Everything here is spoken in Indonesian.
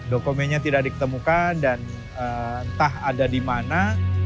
dokumennya tidak diketemukan dan entah ada di mana